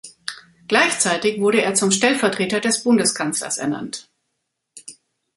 Gleichzeitig wurde er zum Stellvertreter des Bundeskanzlers ernannt.